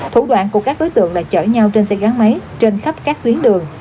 thủ đoạn của các đối tượng là chở nhau trên xe gắn máy trên khắp các tuyến đường